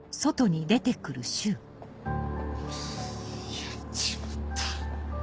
やっちまった。